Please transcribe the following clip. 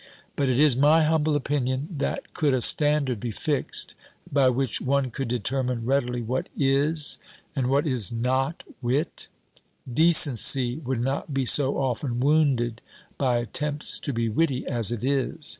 But it is my humble opinion, that could a standard be fixed, by which one could determine readily what is, and what is not wit, decency would not be so often wounded by attempts to be witty, as it is.